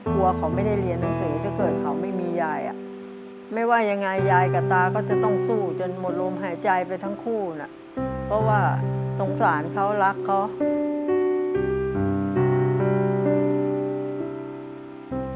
กลัวเขาไม่ได้เรียนหนังสือถ้าเกิดเขาไม่มียายอ่ะไม่ว่ายังไงยายกับตาก็จะต้องสู้จนหมดลมหายใจไปทั้งคู่นะเพราะว่าสงสารเขารักเขา